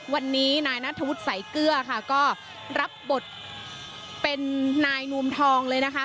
วันนี้นายนัทธวุฒิสายเกลือค่ะก็รับบทเป็นนายนวมทองเลยนะคะ